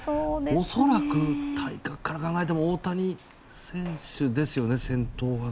恐らく、体格から考えても大谷選手ですよね、先頭は。